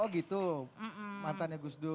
oh gitu mantannya gus dur